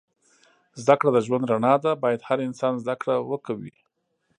زده کړه د ژوند رڼا ده. باید هر انسان زده کړه وه کوی